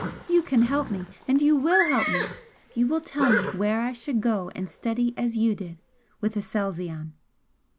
You can help me and you WILL help me! You will tell me where I should go and study as you did with Aselzion!"